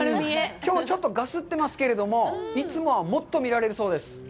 きょう、ちょっとガスってますけれども、いつもはもっと見られるそうです。